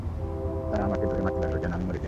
তারা আমাকে ধরে মারতে লাগল যেন আমি মরে যাই।